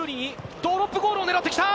ドロップゴールを狙ってきた。